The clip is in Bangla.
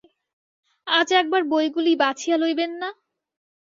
আজ একবার বইগুলি বাছিয়া লইবেন না?